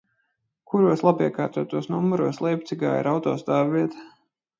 Kuros labiekārtotos numuros Leipcigā ir autostāvvieta?